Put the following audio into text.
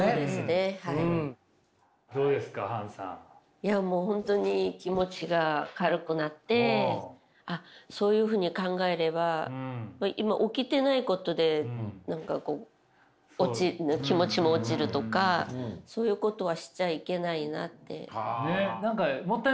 いやもう本当に気持ちが軽くなってそういうふうに考えれば今起きてないことで気持ちも落ちるとかそういうことはしちゃいけないなって。